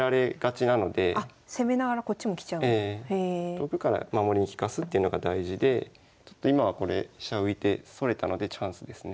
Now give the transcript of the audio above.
遠くから守りに利かすっていうのが大事でちょっと今はこれ飛車浮いてそれたのでチャンスですね。